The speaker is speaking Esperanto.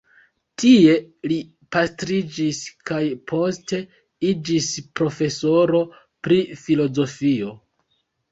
Tie li pastriĝis kaj poste iĝis profesoro pri filozofio.